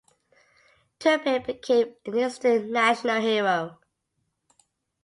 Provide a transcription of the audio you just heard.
Turpin became an instant national hero.